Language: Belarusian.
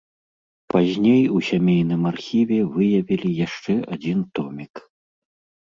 Пазней у сямейным архіве выявілі яшчэ адзін томік.